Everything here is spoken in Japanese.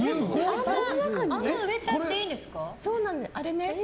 あんなに植えちゃっていいんですか？